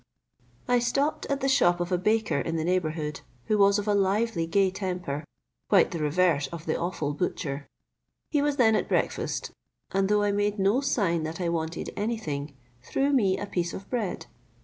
I stopped at the shop of a baker in the neighbourhood, who was of a lively gay temper, quite the reverse of the offal butcher. He was then at breakfast, and though I made no sign that I wanted any thing, threw me a piece of bread.